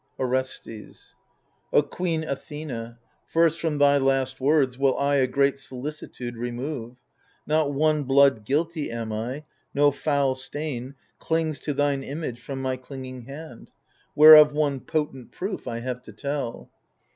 Orestes O queen Athena, first from thy last words Will I a great solicitude remove. Not one blood guilty am I ; no foul stain Clings to thine image from my clinging hand ; Whereof one potent proof I have to tell.